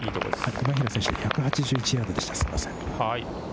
今平選手、１８１ヤードでした。